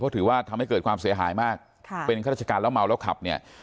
เพราะถือว่าทำให้เกิดความเสียหายมากค่ะเป็นข้าราชการแล้วเมาแล้วขับเนี่ย